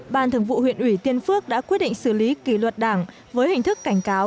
ban thường vụ huyện ủy tiên phước đã quyết định xử lý kỷ luật đảng với hình thức cảnh cáo